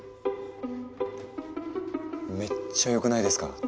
めっちゃ良くないですか？